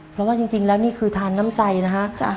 เพราะว่าจริงแล้วนี่คือทานน้ำใจนะฮะ